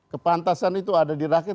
kepantasan itu ada di rakyat